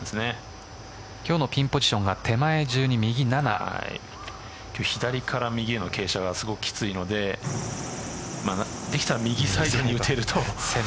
今日のピンポジションが左から右への傾斜がすごくきついのでできれば右サイドに打てると。